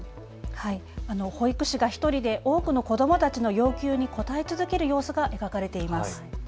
保育士が１人で多くの子どもたちの要求に応え続ける様子が描かれています。